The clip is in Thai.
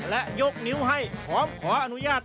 และยกนิ้วให้พร้อมขออนุญาต